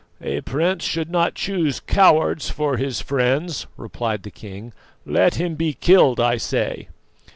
"A prince should not choose cowards for his friends," replied the king; "let him be killed, I say."